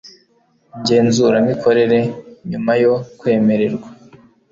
ngenzuramikorere nyuma yo kwemererwa